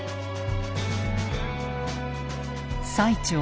最澄